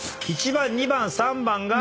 １番２番３番が。